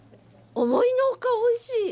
思いの外おいしい。